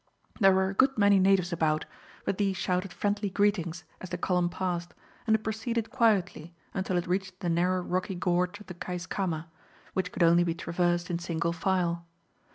There were a good many natives about, but these shouted friendly greetings as the column passed, and it proceeded quietly until it reached the narrow rocky gorge of the Keiskamma, which could only be traversed in single file.